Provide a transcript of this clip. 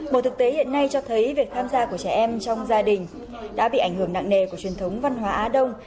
một thực tế hiện nay cho thấy việc tham gia của trẻ em trong gia đình đã bị ảnh hưởng nặng nề của truyền thống văn hóa á đông